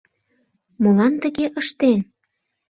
Молан тыге ыштен?